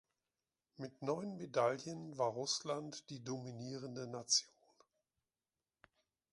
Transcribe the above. Mit neun Medaillen war Russland die dominierende Nation.